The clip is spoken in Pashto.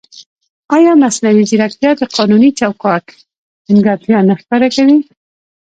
ایا مصنوعي ځیرکتیا د قانوني چوکاټ نیمګړتیا نه ښکاره کوي؟